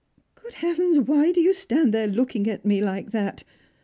Good heavens, why do you stand there looking a "me like that?